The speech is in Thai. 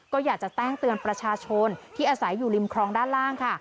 ก็อยากจะแจ้งเตือนประชาชนที่อาศัยอยู่ริมครองด้านล่างค่ะ